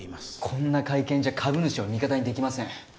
こんな会見じゃ株主を味方にできません。